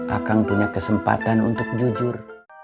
akang punya kesempatan untuk jujur